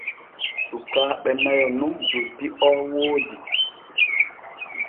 Sukaaɓe nayo nun joddi o woodi.